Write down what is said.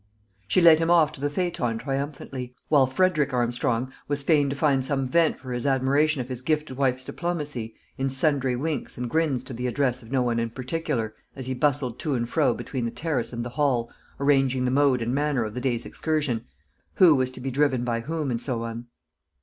She led him off to the phaeton triumphantly; while Frederick Armstrong was fain to find some vent for his admiration of his gifted wife's diplomacy in sundry winks and grins to the address of no one in particular, as he bustled to and fro between the terrace and the hall, arranging the mode and manner of the day's excursion who was to be driven by whom, and so on.